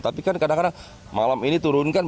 tapi kan kadang kadang malam ini turunkan